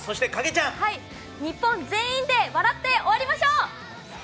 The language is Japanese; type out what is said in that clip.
日本全員で笑って終わりましょう！